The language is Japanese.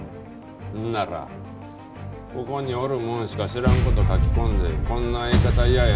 ほんならここにおるもんしか知らん事書き込んで「こんな相方嫌や」